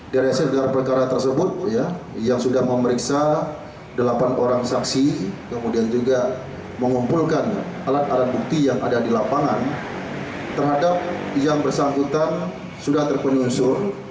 dari hasil gelar perkara tersebut yang sudah memeriksa delapan orang saksi kemudian juga mengumpulkan alat alat bukti yang ada di lapangan terhadap yang bersangkutan sudah terpenuhi unsur